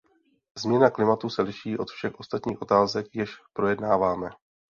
Změna klimatu se liší od všech ostatních otázek, jež projednáváme.